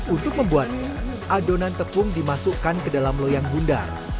untuk membuatnya adonan tepung dimasukkan ke dalam loyang bundar